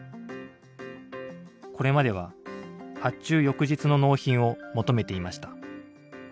これまでは発注翌日の納品を求めていました。